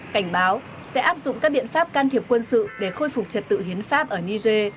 cảnh báo sẽ áp dụng các biện pháp can thiệp quân sự để khôi phục trật tự hiến pháp ở niger